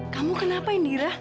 kamu kenapa indira